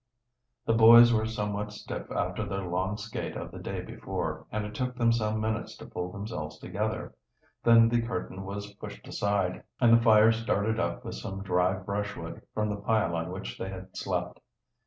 The boys were somewhat stiff after their long skate of the day before, and it took them some minutes to pull themselves together. Then the curtain was pushed aside, and the fire started up with some dry brushwood from the pile on which they had slept.